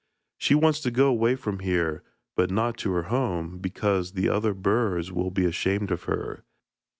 'She wants to go away from here, but not to her home, because the other birds will be ashamed of her.